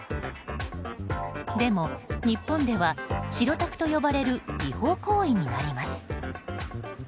でも日本では、白タクと呼ばれる違法行為になります。